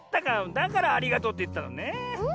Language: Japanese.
だから「ありがとう」っていったのねえ。